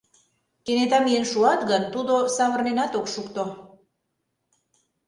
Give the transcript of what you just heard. Кенета миен шуат гын, тудо савырненат ок шукто...